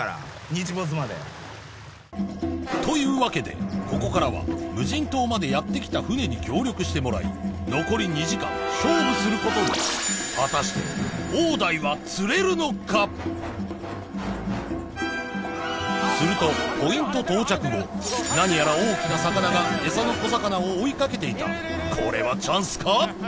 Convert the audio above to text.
というわけでここからは無人島までやって来た船に協力してもらい残り２時間勝負することに果たしてするとポイント到着後何やら大きな魚がエサの小魚を追いかけていたこれはチャンスか？